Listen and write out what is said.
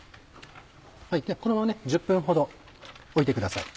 このまま１０分ほどおいてください。